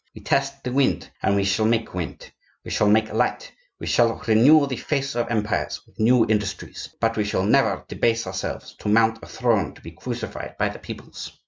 We test the wind, and we shall make wind; we shall make light; we shall renew the face of empires with new industries! But we shall never debase ourselves to mount a throne to be crucified by the peoples!"